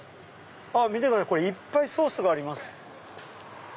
見てくださいいっぱいソースがあります。